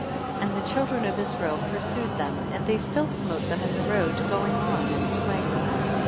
62. And the children of Israel pur sued them, and they still smote them in the road, going on and smiting them, 63.